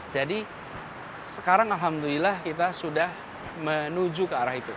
jadi sekarang alhamdulillah kita sudah menuju ke arah itu